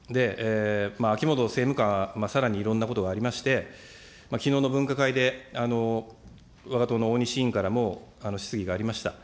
秋本政務官は、さらにいろんなことがありまして、きのうの分科会で、わが党のおおにし議員からも質疑がありました。